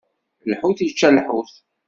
Lḥut ičča lḥut.